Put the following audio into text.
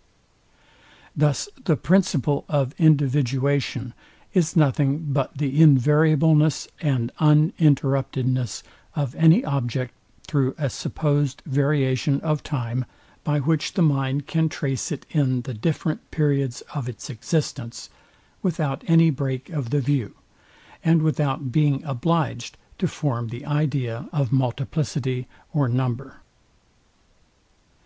Part II, Sect. 5. Thus the principle of individuation is nothing but the INVARIABLENESS and UNINTERRUPTEDNESS of any object, thro a supposd variation of time, by which the mind can trace it in the different periods of its existence, without any break of the view, and without being obligd to form the idea of multiplicity or number.